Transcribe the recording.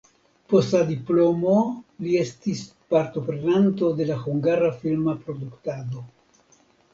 Post la diplomo li estis partoprenanto de la hungara filma produktado.